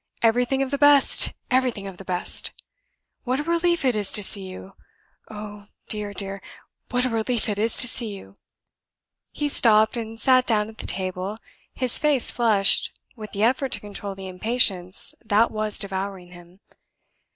Everything of the best! everything of the best! What a relief it is to see you! Oh, dear, dear, what a relief it is to see you." He stopped and sat down at the table, his face flushed with the effort to control the impatience that was devouring him.